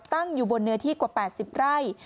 ตั้งอยู่บนเนื้อที่กว่า๘๐ไร่